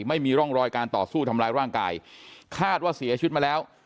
ไม่มีร่องรอยการต่อสู้ทำร้ายร่างกายคาดว่าเสียชีวิตมาแล้ว